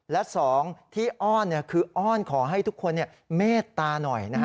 และสองที่อ้อนคืออ้อนขอให้ทุกคนเมตตาหน่อย